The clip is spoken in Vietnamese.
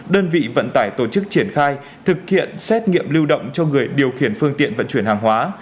đơn vị vận tải tổ chức triển khai thực hiện xét nghiệm lưu động cho người điều khiển phương tiện vận chuyển hàng hóa